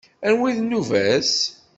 Anwa i d nnuba-s?